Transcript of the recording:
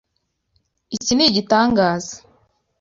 Iki ni igitangaza.